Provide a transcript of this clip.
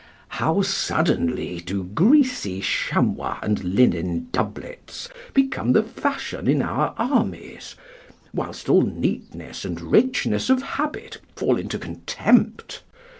How suddenly do greasy chamois and linen doublets become the fashion in our armies, whilst all neatness and richness of habit fall into contempt?